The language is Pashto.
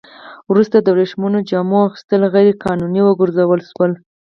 وروسته د ورېښمينو جامو اغوستل غیر قانوني وګرځول شول.